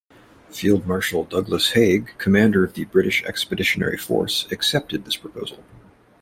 Field Marshal Douglas Haig, commander of the British Expeditionary Force, accepted this proposal.